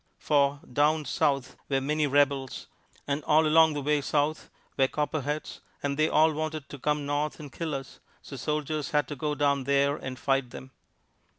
For "Down South" were many Rebels, and all along the way south were Copperheads, and they all wanted to come north and kill us, so soldiers had to go down there and fight them.